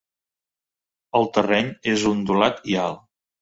El terreny és ondulat i alt.